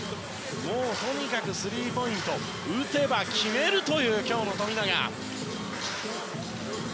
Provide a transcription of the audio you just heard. とにかくスリーポイント打てば決めるという今日の富永です。